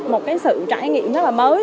một cái sự trải nghiệm rất là mới